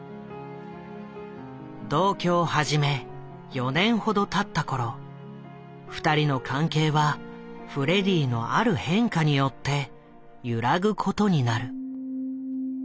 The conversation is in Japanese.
同居を始め４年ほどたったころ２人の関係はフレディのある変化によって揺らぐことになる。